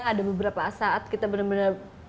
ada beberapa saat kita benar benar